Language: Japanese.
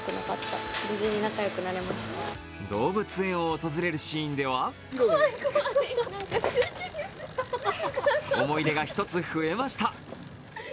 動物園を訪れるシーンでは思い出が一つ増えました。